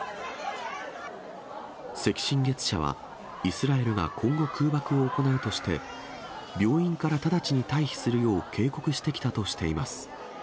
赤新月社はイスラエルが今後空爆を行うとして、病院から直ちに退避するよう警告してきたとしています。